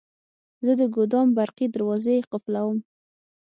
زه د ګودام برقي دروازې قلفووم.